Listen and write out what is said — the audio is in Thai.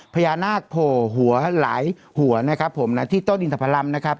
พญานาคโผล่หัวหลายหัวนะครับผมนะที่ต้นอินทพรรมนะครับ